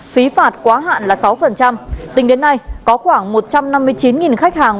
phí phạt quá hạn là sáu tính đến nay có khoảng một trăm năm mươi chín khách hàng